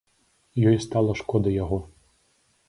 Ёй стала шкода яго.